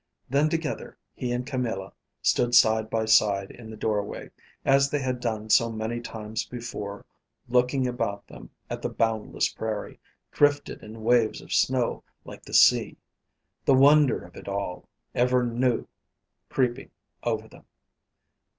Then together he and Camilla stood side by side in the doorway, as they had done so many times before, looking about them at the boundless prairie, drifted in waves of snow like the sea: the wonder of it all, ever new, creeping over them.